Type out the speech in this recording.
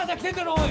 おい！